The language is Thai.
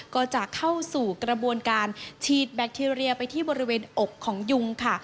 ก็จะเข้าสู่กระบวนการฉีดแบคทีเรียไปที่บริเวณอกของยุงค่ะ